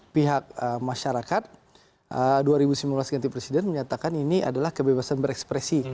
pihak masyarakat dua ribu sembilan belas ganti presiden menyatakan ini adalah kebebasan berekspresi